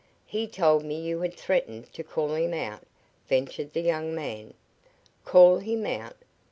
"He told me you had threatened to call him out," ventured the young man. "Call him out?